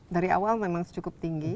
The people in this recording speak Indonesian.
dari awal memang cukup tinggi